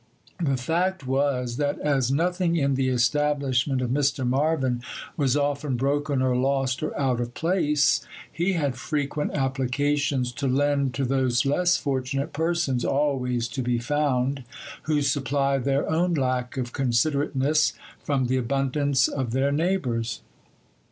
The fact was, that as nothing in the establishment of Mr. Marvyn was often broken or lost or out of place, he had frequent applications to lend to those less fortunate persons, always to be found, who supply their own lack of considerateness from the abundance of their neighbours.